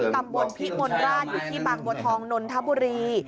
ตำบลพิมลราชอยู่ที่บางบัวทองนนทบุรี